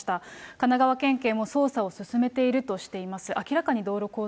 神奈川県警も捜査を進めているとしています。